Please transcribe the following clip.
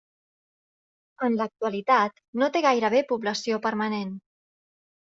En l'actualitat no té gairebé població permanent.